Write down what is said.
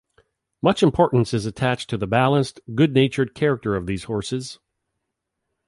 Much importance is attached to the balanced, good-natured character of these horses.